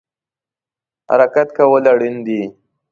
حرکت کول اړین دی